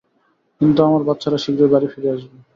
কিন্তু আমার বাচ্চারা শীঘ্রই বাড়ি ফিরে আসবে।